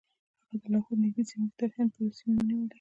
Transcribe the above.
هغه د لاهور نږدې سیمه کې تر هند پورې سیمې ونیولې.